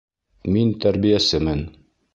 Мин тәрбиәсемен